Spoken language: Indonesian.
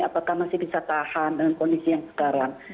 apakah masih bisa tahan dengan kondisi yang sekarang